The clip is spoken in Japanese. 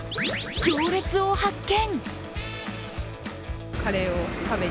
行列を発見。